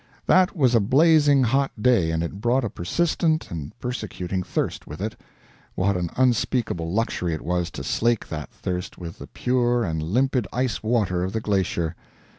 That was a blazing hot day, and it brought a persistent and persecuting thirst with it. What an unspeakable luxury it was to slake that thirst with the pure and limpid ice water of the glacier!